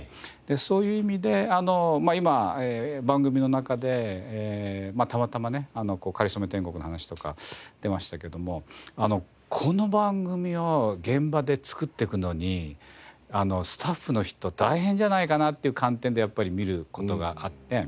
そういう意味で今番組の中でたまたまね『かりそめ天国』の話とか出ましたけどもこの番組を現場で作っていくのにスタッフの人大変じゃないかなっていう観点でやっぱり見る事があって。